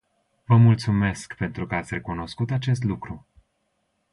Vă mulțumesc pentru că ați recunoscut acest lucru.